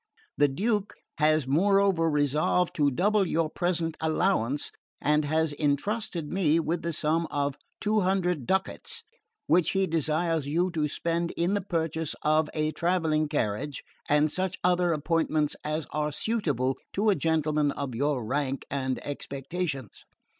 The Duke has moreover resolved to double your present allowance and has entrusted me with the sum of two hundred ducats, which he desires you to spend in the purchase of a travelling carriage, and such other appointments as are suitable to a gentleman of your rank and expectations."